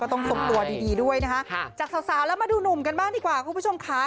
ต้องทรงตัวดีด้วยนะคะจากสาวแล้วมาดูหนุ่มกันบ้างดีกว่าคุณผู้ชมค่ะ